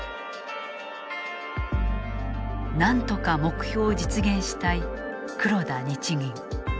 なんとか目標を実現したい黒田日銀。